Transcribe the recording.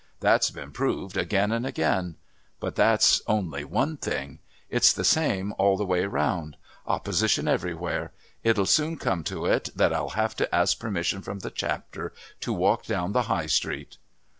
That's been proved again and again. But that's only one thing. It's the same all the way round. Opposition everywhere. It'll soon come to it that I'll have to ask permission from the Chapter to walk down the High Street."